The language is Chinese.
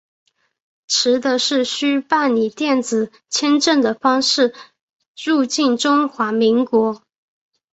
持的需办理电子签证的方式入境中华民国。